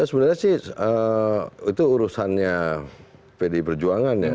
sebenarnya sih itu urusannya pd perjuangan ya